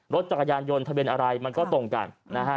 รถจักรยานยนต์ทะเบียนอะไรมันก็ตรงกันนะฮะ